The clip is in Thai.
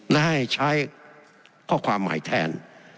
และให้ใช้ข้อความใหม่แทน